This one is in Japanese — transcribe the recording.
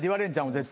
絶対。